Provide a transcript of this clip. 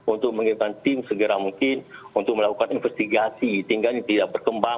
untuk mengirimkan tim segera mungkin untuk melakukan investigasi sehingga ini tidak berkembang